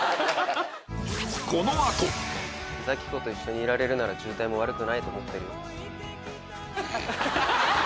ザキ子と一緒にいられるなら渋滞も悪くないと思ってるよ。